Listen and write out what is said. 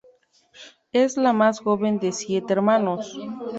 Es la más joven de siete hermanos.